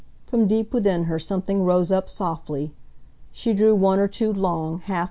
From deep within her something rose up softly ... she drew one or two long, half sobbing breaths....